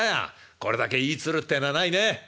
これだけいい鶴ってえのはないねああ。